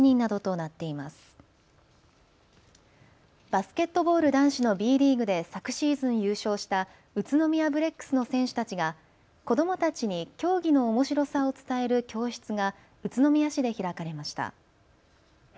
バスケットボール男子のＢリーグで昨シーズン優勝した宇都宮ブレックスの選手たちが子どもたちに競技のおもしろさを伝える教室が宇都宮市で開かれました。